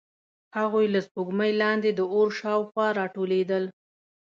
هغوی له سپوږمۍ لاندې د اور شاوخوا راټولېدل.